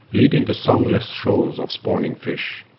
Leading the songless shoals of spawning fish.